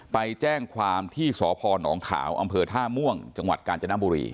ไปแจ้งความที่สพนขาวอำเภอท่าม่วงจังหวัดกาญจนบุรี